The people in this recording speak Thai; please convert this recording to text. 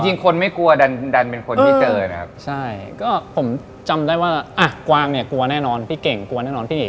องค์กับกวางแต่ผมมาจ้านอกกันนี้